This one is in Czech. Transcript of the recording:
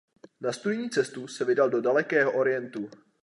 Na studijní cestu se vydal do dalekého Orientu.